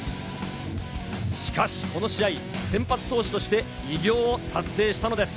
しかし、この試合、先発投手として偉業を達成したのです。